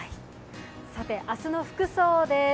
さて明日の服装です。